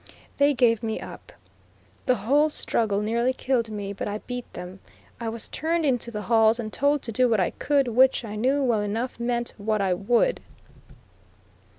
They gave me up. The whole struggle nearly killed me, but I beat them. I was turned into the halls and told to do what I could, which, I knew well enough, meant what I would.